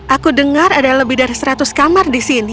aku dengar ada lebih dari seratus kamar di sini